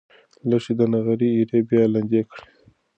لښتې د نغري ایرې بیا لندې کړې.